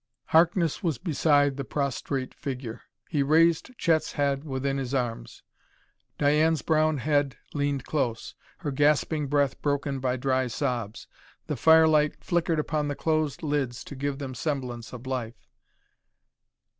Harkness was beside the prostrate figure. He raised Chet's head within his arms; Diane's brown head leaned close, her gasping breath broken by dry sobs. The firelight flickered upon the closed lids to give them semblance of life.